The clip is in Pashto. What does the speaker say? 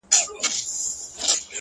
گلاب دی _ گل دی _ زړه دی د چا _